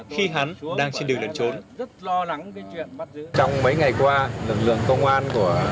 khi hắn đang trên đường lần trốn